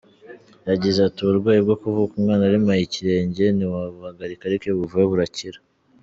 Yagize ati “Uburwayi bwo kuvuka umwana aremaye ikirenge ntawabuhagarika ariko iyo buvuwe burakira.